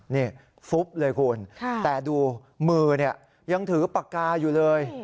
นี่ฟุ๊บเลยคุณแต่ดูมือเนี่ยยังถือปากกาอยู่เลย